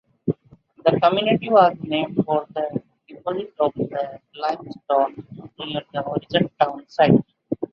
The community was named for deposits of limestone near the original town site.